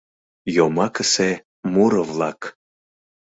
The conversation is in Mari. ЙОМАКЫСЕ МУРО-ВЛАК.